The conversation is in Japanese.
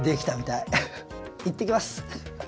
いってきます！